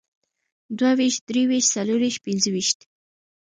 دوهويشت، دريويشت، څلرويشت، پينځهويشت